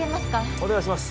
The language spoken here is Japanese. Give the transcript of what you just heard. お願いします